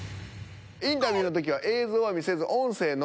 インタビューの時は映像は見せず音声のみ。